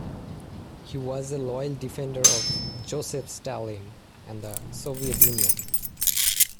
He was a loyal defender of Joseph Stalin and the Soviet Union.